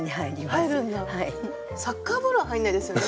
サッカーボールは入んないですよね？